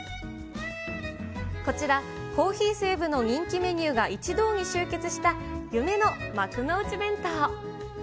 こちら、珈琲西武の人気メニューが一堂に集結した、夢の幕の内弁当。